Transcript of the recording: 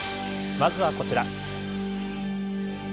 まずはこちら。